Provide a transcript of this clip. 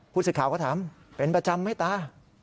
ผู้สื่อข่าวก็ถามเป็นประจำไหมตา